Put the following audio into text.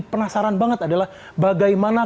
penasaran banget adalah bagaimana